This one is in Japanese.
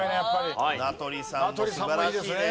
名取さんも素晴らしいね。